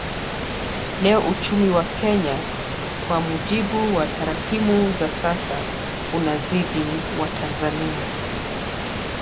Leo uchumi wa Kenya kwa mujibu wa tarakimu za sasa unazidi wa Tanzania